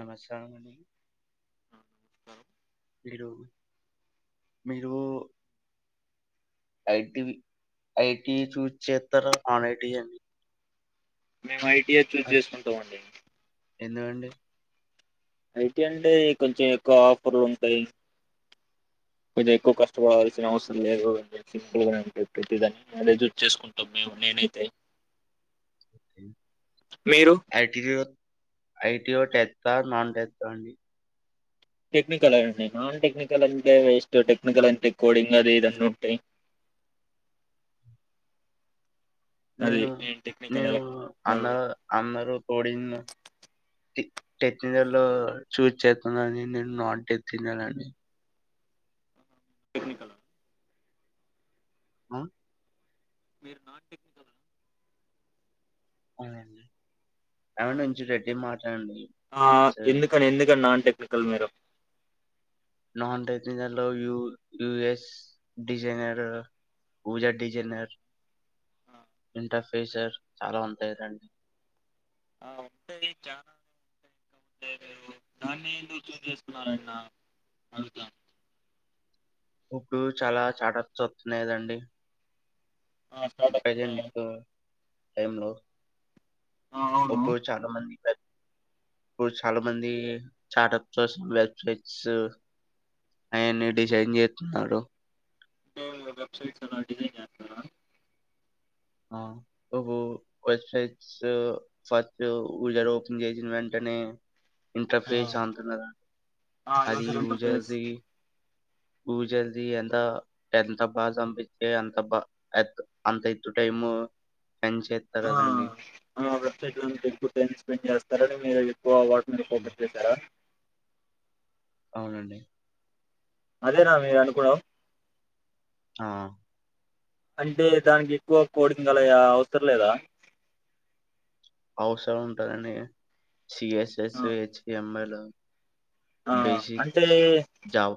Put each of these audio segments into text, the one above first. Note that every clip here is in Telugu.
నమస్కారం అండి మీరు మీరు ఐటి ఐటీ చూజ్ చేస్తారా నాన్ ఐటి అని మేము ఐటీ ఇ చూస్ చేసుకుంటామ అండి ఎందుకండి ఐటీ అంటే కొంచెం ఎక్కువ ఆఫర్లు ఉంటాయి కొది ఎక్కువ కష్టపడాల్సిన అవసరం లేదు అన్నీ సింపుల్ గానే ఉంటయి ప్రతిదాని మారేజూ చేసుకుంటా మేము నేనైతాయి ఆర్టీ ఐటిలో టెత్ నాన్ టెత్ [unintelligible] అండి టెక్నికల్ అండి నాన్ టెక్నికల్ అంతే ఎస్ట్ టెక్నికల్ అంతే కోడింగ్ అది ఇన్న ఉంటయి నేను నేను అందరు అందరుూ కోడింగ్ టెక్నికల్ లో చూజ్ చేస్తుాన్నాని నేను నాన్ టెక్నికల్ అని టెక్నికల్ ఆ మీరు నాన్ టెక్నికల్ ఆ అ ఆమె నుంచి రెడ్డి ఎందుకని మాట్లాడండి కల్ మీరు non regional యయుఎస్ designer Pooja designer ఆ, ఇంట ే సర్ చాలా వంతయదండి ఆ ఉంటాయి చ ఉయి ఇంకా ఉంటాయి మీరు దాన్ని ఎందుకు చూ చేసుకున్నన్న అడు ఇప్పుడు చాలా చాటచొతునేదండి ఆ స్టార్టప్స్ ఉన్నాయి ప్రిజఎంటి టైంలో ఆ ఒ అవును చాలా మంది ఇప్పుడు చాలా మంది స్టార్టప్ కోసం వెబ్సైట్స్ అవన్ని డిజైన్ చేస్తున్నారు ఇ వెబ్సైట్స్ నా డిజైన్ చేతనా ఆ ఓహో వెబ్సైట్స్ ఫస్ట్జర్ ఓపెన్ చేసిన వెంటనే ఆ ఇంటర్ఫే చ అతున్నదండి ఆ అది యూజర్ ఇంటర్ఫేస్ యూజది చది ఎంత ఎంత బాగా పంపిస్తే అంత బా అంత టైము స్పెండ్ చేస్తారు ఆ కదండీ. ఆ ప్రత్యేక ఎక్కువ టైం స్పెండ్ చేస్తార అతే ఎక్ అ వార్డు నుంచి హ్మ్. ఫోకస్ చేసారా అవునండి అదేనా మీరు అనుకున్నావు ఆ అంటే దానికి ఎక్కువ కోడింగ్ల అవసరం లేదా అవసర ఉంటందండి సిఎస్ఎస్ ఆ హెచ్టిఎంఎల్ ఆ, బసి జావు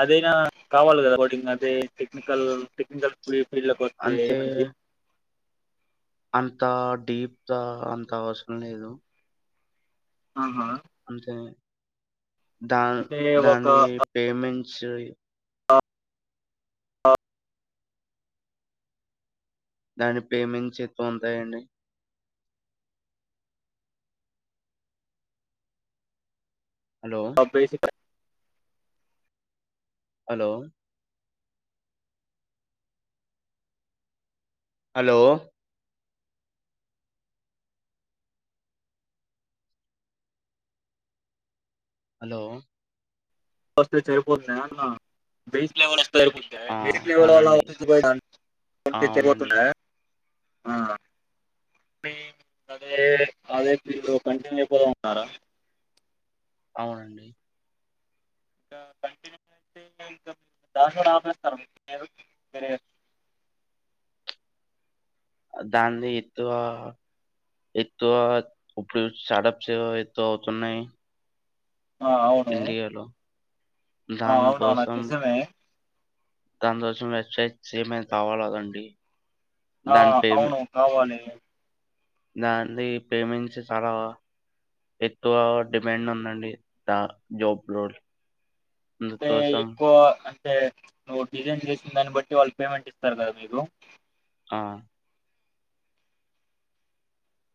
అదేనా కావాలి కదా బటింగ్ అదే టెక్నికల్ టెక్ల్ ఫ ఇళ్ళ వతు అంతే ఏమైది అంత డీప్ అంత అవసరం లేదు ఆహా అంటంత దా అంటే ఒక దాని పేమెంట్ ని స ఆఓ దాని పేమెంట్స్ ఎత ఉంటాయండి హలో! అబేసి హలో హలో హలో వస్తే సరిపోతుంది అన్న బే ఆ! అవునండి. ఆ! [unintelligible] అవునండి. ఆ అదే అదే మీరు కంటిన్యూ అయిపోదాం అనుకుంటున్నారా అవునండి ఇంకా కంటిన్యూ అయితే ఇంకా దాంట్లోనే ఆపేస్తారా [unintelligible] దానిది ఎక్కువ ఎక్కువగా ఇప్పుడు స్టార్టప్స్ ఎక్కువ అవుతున్నాయి ఆ అవును ఇండియాలో ఆ అవునవును అది నిజమే దాని కోసం వెబ్సైట్స్ ఏమైనా కావాలి కదండి ఆ అవును కావాలి దానిది పేమెంట్స్ చాలా ఎక్కువ డిమాండ్ ఉందండి ద జాబ్ లో అంటే ఎక్కువ టె నువ్ డిజైన్ చేసినదాన్ని బట్టి వాళ్ళు పేమెంట్ ఇస్తారు కదా మీకు ఆ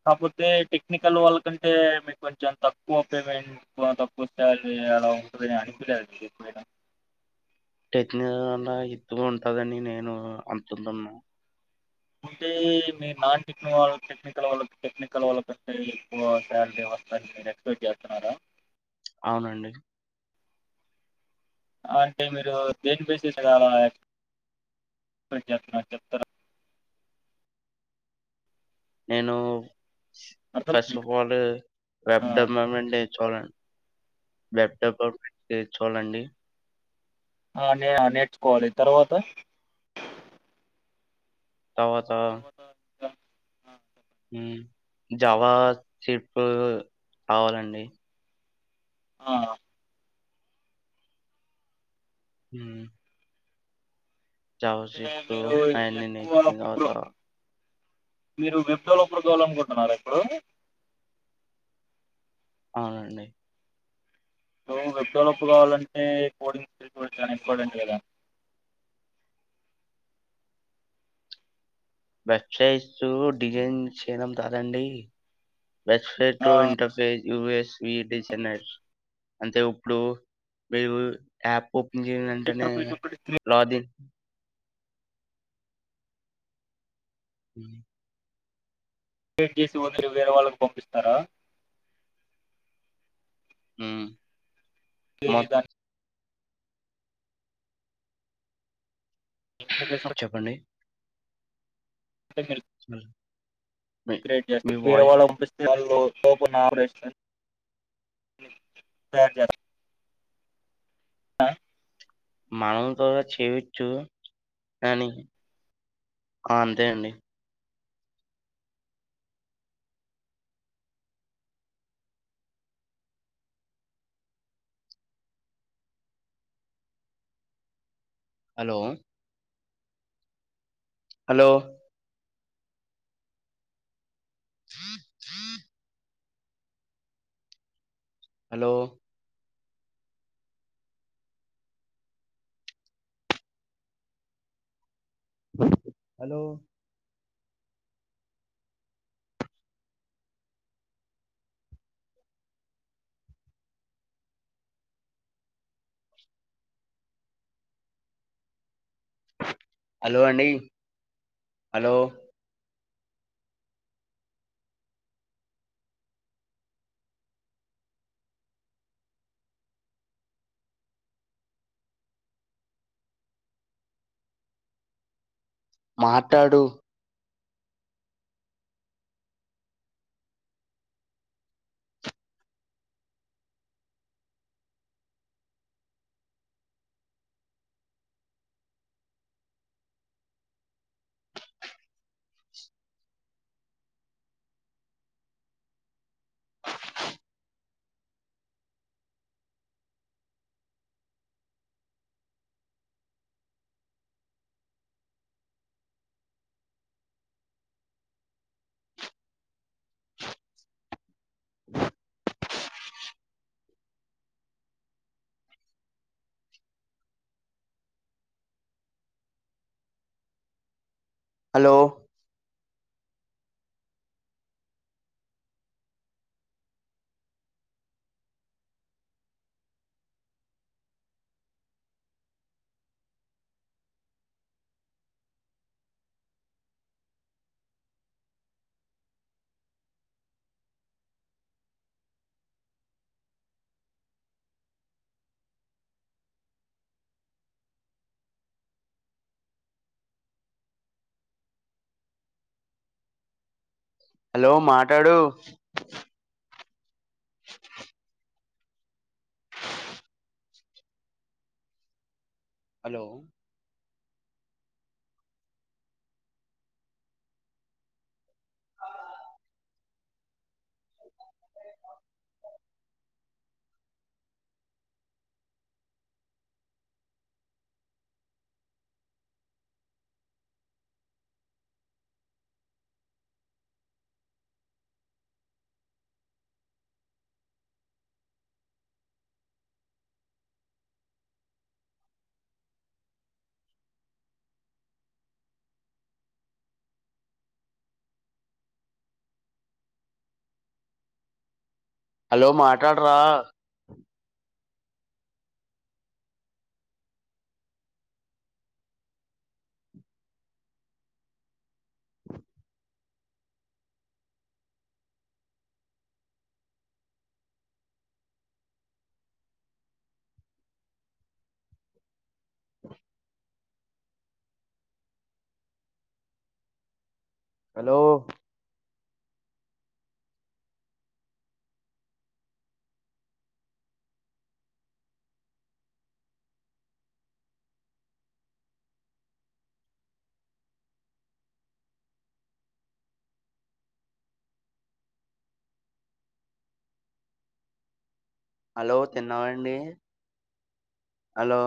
కాకపోతే టెక్నికల్ వాళ్ళకంటే మీకు కొంచెం తక్కువ పేమెంట్ తక్కువ శాలరీ అలా ఉంటుంది అనిపియ్యలేదా మీకు ఎప్పుడైనా టెక్నికల్ కన్నా ఎక్కువ ఉంటందని నేను అనుకుంటున్న అంటే మీరు నాన్ టెక్నికల్ వాళ్ళ టెక్నికల్ వాళ్ళకు టెక్నికల్ వాళ్ళకంటే ఎక్కువ శాలరీ వస్తందని మీరు ఎక్స్పెక్ట్ చేస్తున్నారా అవునండి అంటే మీరు దేని బేస్ చేసి అలా ఎక్స్పెక్ట్ చేస్తున్నారో చెప్తారా నేను ఫస్ట్ ఆఫ్ అర్థమవుతుందా? ఆల్ వెబ్ ఆ! డెవలప్మెంట్ నే చాల ల్యాప్టాప్ ఒకటి ఉంటే చాలండి ఆ నే నేర్చుకోవాలి తర్వాత తర్వాతా తర్వాత ఇంకా ఆ! చెప్పండి. జావా స్క్రిప్ట్ కావాలండి ఆ ఆమ్ జావా అంటే స్క్రిప్ట్ మీరు అయన్ని ఎక్కువ నేర్చుకున్న ప్రొ తర్వాత మీరు విప్రోలో [unintelligible] లనుకుంటున్నారా ఇప్పుడు అవునండి వెబ్డెలప్ కావాలంటే కోడింగ్ [unintelligible] చానా ఇంపార్టెంట్ కదండి వెబ్సైట్సు డిజైన్ చేయడం కాదండి వెబ్సైట్ ఆ లో interface you V S we designers అంటే ఇప్పుడు మీరు యాప్ ఓపెన్ చేసిన వెంటేనే ఇంటర్ఫేస్ ఒకటి లాగిన్ అ క్రియేట్ చేసి వాటిని వేరే వాళ్ళకు పంపిస్తారా ఆమ్ ఏదానికి ఇంటర్ఫేస్ చెప్పండి స [unintelligible] స క్రియేట్ చేస్త మీరు ఎవళు పంపిస్తే కు నవడేస్త త ఆా మనం కూడా చేయచ్చు కానీ ఆ అంతే అండి hello hello hello hello hello అండి హలో మాట్లాడు హలో హలో మాట్లాడు హలో హలో మాట్లాడరా హలో హలో తిన్నావాండి హలో